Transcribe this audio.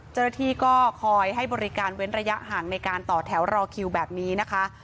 เจ้าหน้าที่ก็คอยให้บริการเว้นระยะห่างในการต่อแถวรอคิวแบบนี้นะคะ